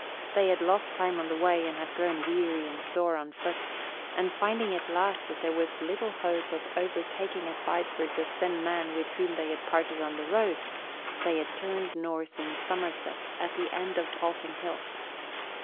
They had lost time on the way and had grown weary and sore of foot; and finding at last that there was little hope of overtaking at Bideford the thin man with whom they had parted on the road, they had turned north in Somerset at the end of Polton Hill.